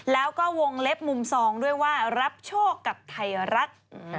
แล้วก็วงเล็บมุมซองด้วยว่ารับโชคกับไทยรัฐ